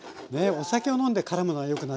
お酒を飲んで絡むのはよくない。